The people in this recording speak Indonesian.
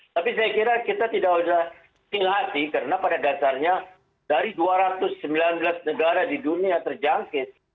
tapi saya kira kita tidak sudah tinggal hati karena pada dasarnya dari dua ratus sembilan belas negara di dunia terjangkit